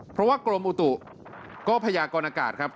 เพราะว่ากรมอุตุก็พยากรอากาศครับ